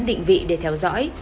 đơn vị để theo dõi